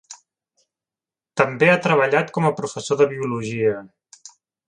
També ha treballat com a professor de biologia.